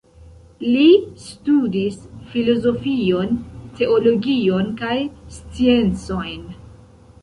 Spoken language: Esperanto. Li studis filozofion, teologion kaj sciencojn.